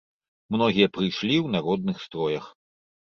Многія прыйшлі ў народных строях.